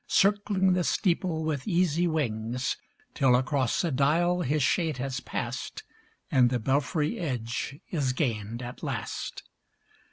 Circling the steeple with easy wings. Till across the dial his shade has pass'd, And the belfry edge is gain'd at last.